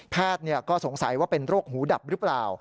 แพทย์ก็สงสัยว่าเป็นโรคหูดับหรือเปล่า